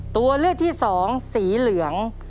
ตัวเลือกที่สองสีเหลือง